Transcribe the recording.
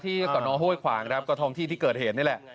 ที่ก่อนน้อโห้ควางแล้วก็ทองที่ที่เกิดเห็นนี่แหละ